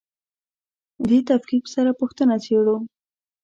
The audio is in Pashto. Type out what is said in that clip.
دې تفکیک سره پوښتنه څېړو.